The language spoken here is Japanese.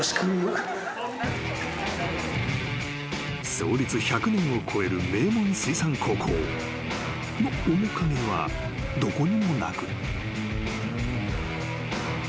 ［創立１００年を超える名門水産高校の面影はどこにもなく］